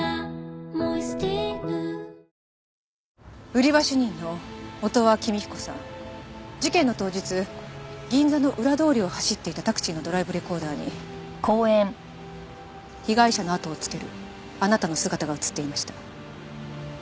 売り場主任の乙羽公彦さん事件の当日銀座の裏通りを走っていたタクシーのドライブレコーダーに被害者の後をつけるあなたの姿が映っていました。